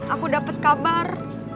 aku dapet kabar